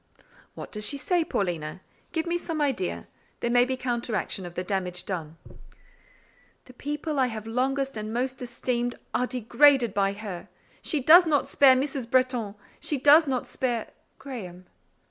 "What does she say, Paulina? Give me some idea. There may be counteraction of the damage done." "The people I have longest and most esteemed are degraded by her. She does not spare Mrs. Bretton—she does not spare…. Graham."